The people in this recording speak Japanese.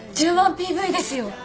１０万ＰＶですよ！